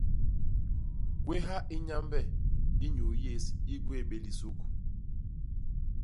Gwéha i Nyambe inyuu yés i gwéé béé lisuk.